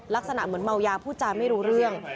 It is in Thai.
ลักษณะเหมือนเมายาพูดจาไม่รู้เรื่อง